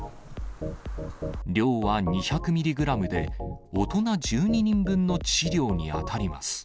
量は２００ミリグラムで、大人１２人分の致死量に当たります。